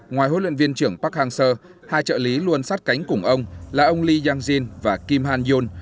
ngoài huấn luyện viên trưởng park hang seo hai trợ lý luôn sát cánh cùng ông là ông lee yang jin và kim han yon